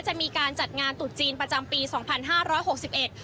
จะมีการจัดงานตุดจีนประจำปีสองพันห้าร้อยหกสิบเอ็ด